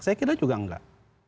saya kira juga enggak